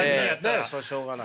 そらしょうがない。